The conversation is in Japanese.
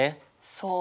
そう。